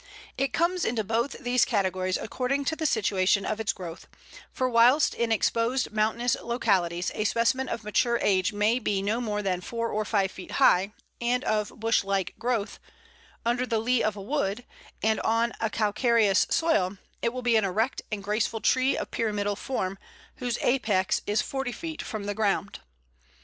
It comes into both these categories according to the situation of its growth, for whilst in exposed mountainous localities a specimen of mature age may be no more than four or five feet high, and of bush like growth, under the lee of a wood, and on a calcareous soil, it will be an erect and graceful tree of pyramidal form, whose apex is forty feet from the ground.